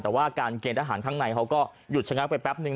แต่ว่าการเกณฑ์อาหารข้างในเขาก็หยุดชะงักไปแป๊บนึ